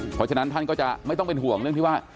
เพราะฉะนั้นท่านก็จะไม่ต้องเป็นห่วงเรื่องที่ว่า